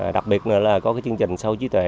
đặc biệt là có chương trình sâu trí tuệ